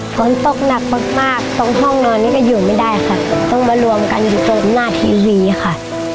ฝนตกหนักมากตรงห้องนอนนี่ก็อยู่ไม่ได้ค่ะต้องมารวมกันอยู่ตรงหน้าทีวีค่ะ